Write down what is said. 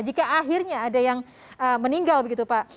jika akhirnya ada yang meninggal begitu pak